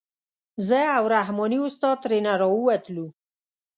زه او رحماني استاد ترېنه راووتلو.